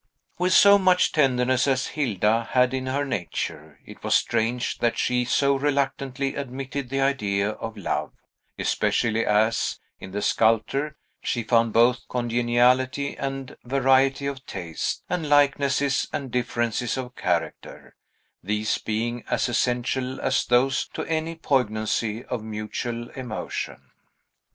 With so much tenderness as Hilda had in her nature, it was strange that she so reluctantly admitted the idea of love; especially as, in the sculptor, she found both congeniality and variety of taste, and likenesses and differences of character; these being as essential as those to any poignancy of mutual emotion.